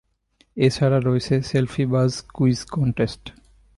এ ছাড়া রয়েছে সেলফি বাজ কুইজ কনটেস্ট।